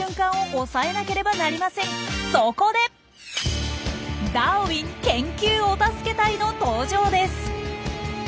そこで「ダーウィン研究お助け隊」の登場です！